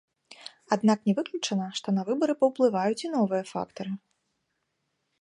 Аднак не выключана, што на выбары паўплываюць і новыя фактары.